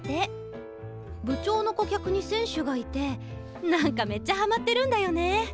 部長の顧客に選手がいてなんかめっちゃハマってるんだよね。